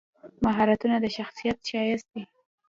مهارتونه د شخصیت ښایست دی.